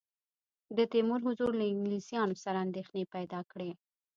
د تیمور حضور له انګلیسیانو سره اندېښنې پیدا کړې.